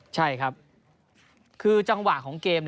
ใช่ครับคือจังหวะของเกม